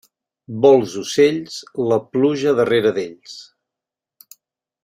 Vols d'ocells, la pluja darrera d'ells.